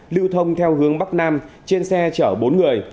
lưu thông theo hướng bắc nam trên xe chở bốn người